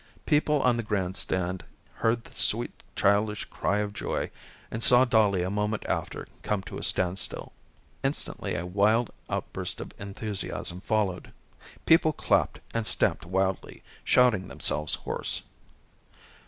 People on the grandstand heard the sweet childish cry of joy and saw Dollie a moment after come to a standstill. Instantly a wild outburst of enthusiasm followed. People clapped and stamped wildly, shouting themselves hoarse.